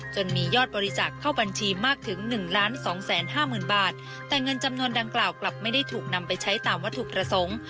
มียอดบริจาคเข้าบัญชีมากถึง๑๒๕๐๐๐บาทแต่เงินจำนวนดังกล่าวกลับไม่ได้ถูกนำไปใช้ตามวัตถุประสงค์